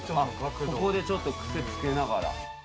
ここでちょっとクセつけながら。